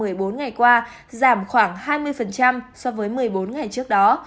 trong một mươi bốn ngày qua giảm khoảng hai mươi so với một mươi bốn ngày trước đó